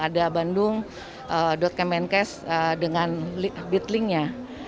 ada bandung kemenkes dengan bitlinknya